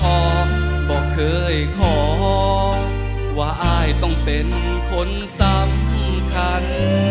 บอกเคยขอว่าอายต้องเป็นคนสำคัญ